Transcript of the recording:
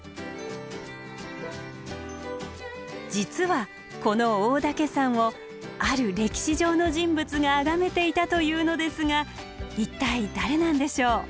実はこの大岳山をある歴史上の人物があがめていたというのですが一体誰なんでしょう？